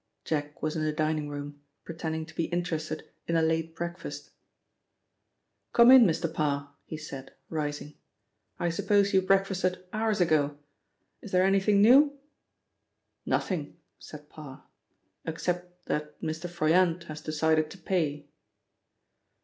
Jack was in the dining room, pretending to be interested in a late breakfast. "Come in, Mr. Parr," he said, rising. "I suppose you breakfasted hours ago. Is there anything new?" "Nothing," said Parr, "except that Mr. Froyant has decided to pay."